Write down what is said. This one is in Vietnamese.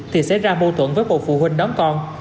thì xảy ra mâu thuẫn với một phụ huynh đón con